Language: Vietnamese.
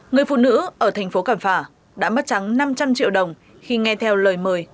người phụ nữ ở thành phố cảm phả đã mất trắng năm trăm linh triệu đồng khi nghe theo lời mời